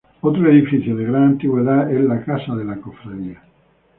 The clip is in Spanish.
Otro edificio, de gran antigüedad, es la Casa de la Cofradía.